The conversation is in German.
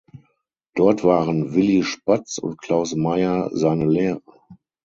Dort waren Willy Spatz und Claus Meyer seine Lehrer.